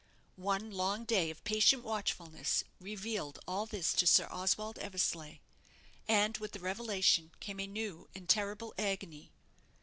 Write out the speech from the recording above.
One long day of patient watchfulness revealed all this to Sir Oswald Eversleigh; and with the revelation came a new and terrible agony.